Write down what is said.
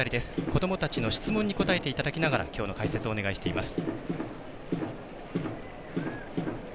子どもたちの質問に答えていただきながらきょうの解説をお願いしています。